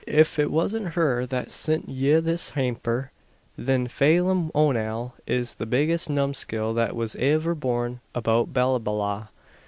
If it wasn't her that sint ye this hamper, thin Phaylim Onale is the biggest numskull that was iver born about Ballyballagh.